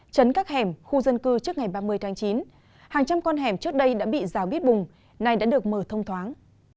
chấn các hẻm khu dân cư trước ngày ba mươi tháng chín hàng trăm con hẻm trước đây đã bị rào bít bùng này đã được mở thông thoáng